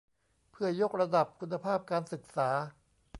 เพื่อยกระดับคุณภาพการศึกษา